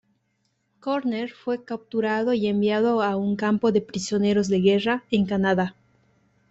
Körner fue capturado y enviado a un campo de prisioneros de guerra en Canadá.